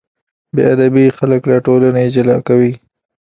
بېادبي خلک له ټولنې جلا کوي.